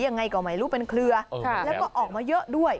อย่างไรก็ออกมาอยู่เป็นเคลือและก็ออกมาเยอะด้วย